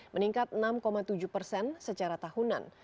meningkat enam tujuh persen secara tahunan